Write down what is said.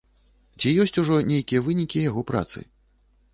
Ці ёсць ужо нейкія вынікі яго працы?